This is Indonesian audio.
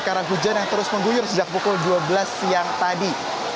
karena hujan yang terus mengguyur sejak pukul dua belas siang tadi